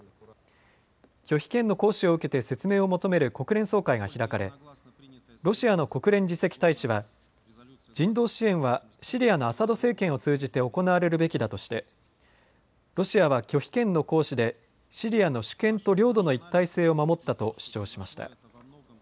拒否権の行使を受けて説明を求める国連総会が開かれ、ロシアの国連次席大使は人道支援はシリアのアサド政権を通じて行われるべきだとしてロシアは拒否権の行使でシリアの主権と領土の一体性を守ったと主張しました。